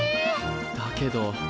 だけど。